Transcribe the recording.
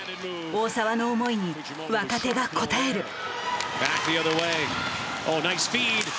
大澤の思いに若手が応える。